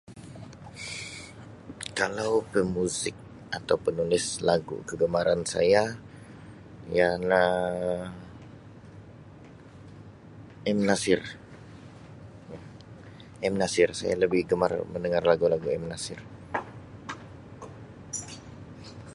Kalau pemuzik atau penulis lagu kegemaran saya ialah M Nasir M Nasir saya lebih gemar mendengar lagu-lagu M Nasir.